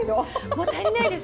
もう足りないです